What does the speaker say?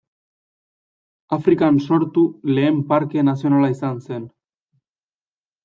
Afrikan sortu lehen parke nazionala izan zen.